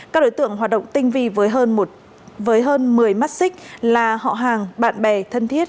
các đối tượng hoạt động tinh vi hơn với hơn một mươi mắt xích là họ hàng bạn bè thân thiết